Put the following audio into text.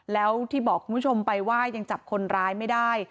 แล้วที่บอกคุณผู้ชมไปว่ายังจับคนร้ายไม่ได้